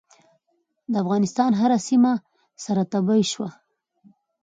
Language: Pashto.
د افغانستان هره سیمه سره تبۍ شوه.